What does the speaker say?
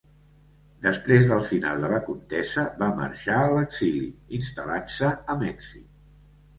Després del final de la contesa va marxar a l'exili, instal·lant-se a Mèxic.